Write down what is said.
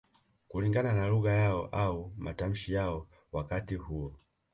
Kulingana na lugha yao au matamshi yao wakati huo